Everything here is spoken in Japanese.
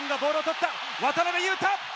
渡邊雄太